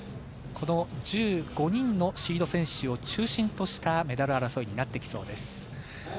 １５人のシード選手を中心としたメダル争いになってきそうです。